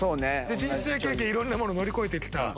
人生経験いろんなもの乗り越えて来た。